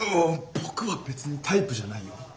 おっ僕は別にタイプじゃないよ。